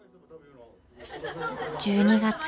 １２月。